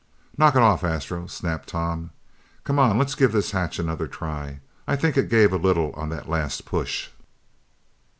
"Knock it off, Astro," snapped Tom. "Come on. Let's give this hatch another try. I think it gave a little on that last push."